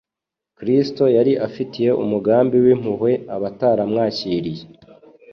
Kristo yari afitiye umugambi w'impuhwe abataramwakiriye.